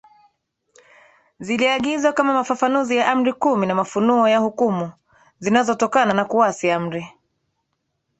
ziliagizwa kama mafafanuzi ya Amri kumi na Mafunuo ya Hukumu zinazotokana na Kuasi Amri